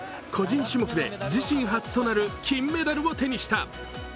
個人種目で自身初となる金メダルを手にした。